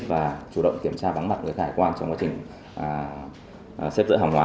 và chủ động kiểm tra vắng mặt người hải quan trong quá trình xếp dỡ hòng hóa